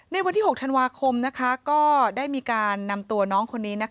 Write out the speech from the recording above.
ในวันที่๖ธันวาคมก็ได้มีการนำตัวน้องคนนี้